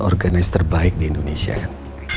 organisasi terbaik di indonesia kan